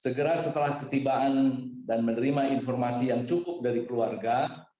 segera setelah ketibaan dan menerima informasi yang cukup dari keluarga